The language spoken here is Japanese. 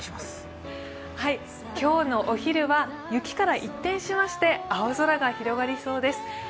今日のお昼は雪から一転しまして青空が広がりそうです。